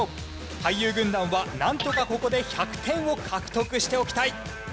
俳優軍団はなんとかここで１００点を獲得しておきたい。